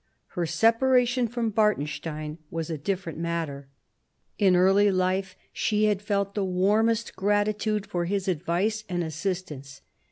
Her separation from Bartenstein was a different /* 96 MARIA THERESA chap, v matter. In early life she had felt the warmest gratitude for his advice and assistance.